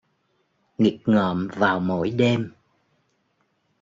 Nghịch ngợm vào mỗi đêm